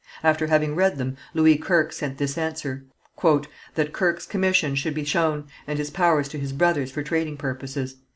After having read them Louis Kirke sent this answer: "That Kirke's commission should be shown and his powers to his brothers for trading purposes.